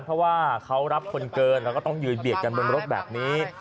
เพราะว่าเขารับคนเกินแล้วก็ต้องยืนเบียดกันบนรถแบบนี้